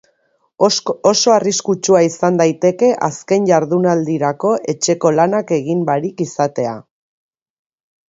Oso arriskutsua izan daiteke azken jardunadliarako etxeko lanak egin barik izatea.